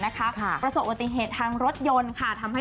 นะคะภาพประสบโดยมิเธษทางรถยนต์ค่ะทำให้